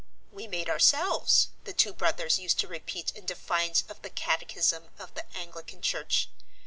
"We made ourselves," the two brothers used to repeat in defiance of the catechism of the Anglican Church.